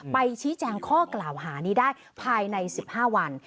ไปชี้แจงข้อกล่าวหานี้ได้ภายใน๑๕วัน